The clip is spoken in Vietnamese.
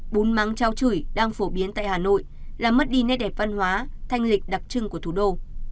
bún mắng cháo chửi đang phổ biến tại hà nội là mất đi nét đẹp văn hóa thanh lịch đặc trưng của thủ đô